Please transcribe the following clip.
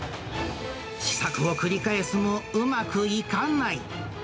試作を繰り返すもうまくいかない。